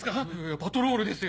パトロールですよ